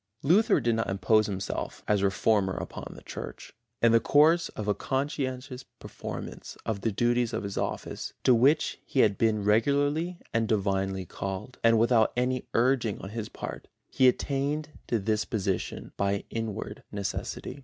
Luther did not impose himself as reformer upon the Church. In the course of a conscientious performance of the duties of his office, to which he had been regularly and divinely called, and without any urging on his part, he attained to this position by inward necessity.